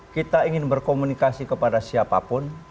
kita ingin berkomunikasi kepada siapapun